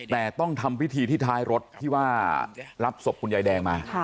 แต่ต้องทำพิธีที่ท้ายรถที่ว่ารับศพคุณยายแดงมา